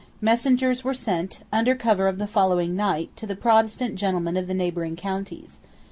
Messengers were sent, under cover of the following night, to the Protestant gentlemen of the neighbouring counties.